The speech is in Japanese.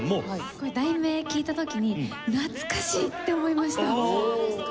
これ題名聞いた時に懐かしいって思いました！